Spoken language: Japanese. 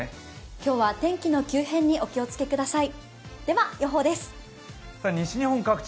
今日は天気の急変にお気を付けください。